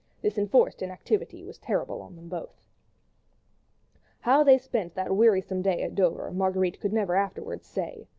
This enforced inactivity was terrible to them both. How they spent that wearisome day at Dover, Marguerite could never afterwards say.